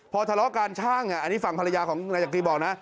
พอทะเลาะการช่างอันนี้ฝั่งภรรยาของนายจักรีบอกนะ